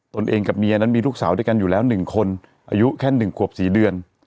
ตัวเองกับเมียนั้นมีลูกสาวด้วยกันอยู่แล้ว๑คนอายุแค่๑ขวบ๔เดือน